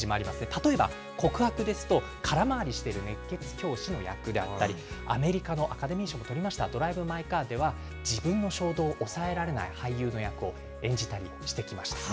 例えば、告白ですと、空回りしている熱血教師の役だったり、アメリカのアカデミー賞も取りましたドライブ・マイ・カーでは、自分の衝動を抑えられない俳優の役を演じたりしてきました。